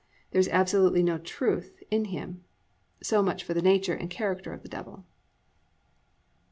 There is absolutely "no truth in him." So much for the nature and character of the Devil.